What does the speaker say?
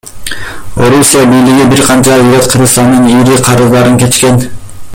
Орусия бийлиги бир канча ирет Кыргызстандын ири карыздарын кечкен.